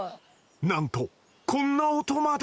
なんとこんな音まで。